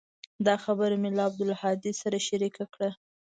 دا خبره مې له عبدالهادي سره شريکه کړه.